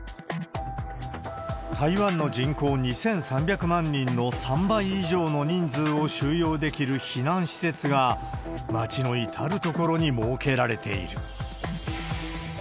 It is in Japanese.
台湾の人口２３００万人の３倍以上の人数を収容できる避難施設が、街の至る所に設けられている。